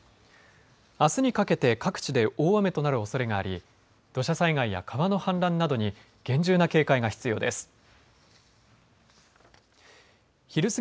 あすにかけて各地で大雨となるおそれがあり土砂災害や川の氾濫などに厳重な警戒が必要です。